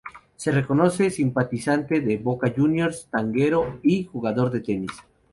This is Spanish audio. Se reconoce simpatizante de Boca Juniors, tanguero, y jugador de tenis.